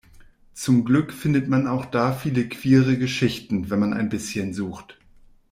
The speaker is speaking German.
Zum Glück findet man auch da viele queere Geschichten, wenn man ein bisschen sucht.